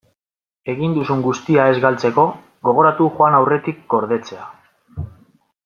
Egin duzun guztia ez galtzeko, gogoratu joan aurretik gordetzea.